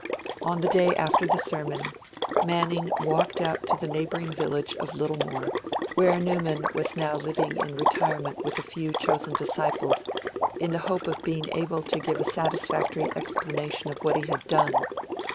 On the day after the sermon, Manning walked out to the neighbouring village of Littlemore, where Newman was now living in retirement with a few chosen disciples, in the hope of being able to give a satisfactory explanation of what he had done.